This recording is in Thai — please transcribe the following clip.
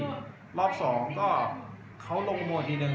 แต่ว่าเมืองนี้ก็ไม่เหมือนกับเมืองอื่น